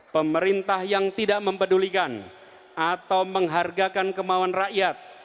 pemerintah yang tidak mempedulikan atau menghargakan kemauan rakyat